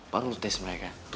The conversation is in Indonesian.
baru lo tes mereka